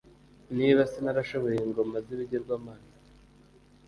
Niba se narashoboye ingoma z’ibigirwamana,